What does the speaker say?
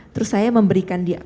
terus saya memberikan dia